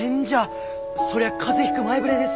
そりゃ風邪ひく前触れですき！